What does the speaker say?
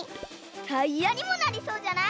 タイヤにもなりそうじゃない？